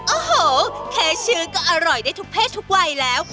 โอ้โหแค่ชื่อก็อร่อยได้ทุกเพศทุกวัยแล้ว